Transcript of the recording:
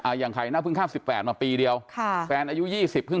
อ่าอย่างไข้นะพึ่งข้ามปีเดียวค่ะแฟนอายุยี่สิบ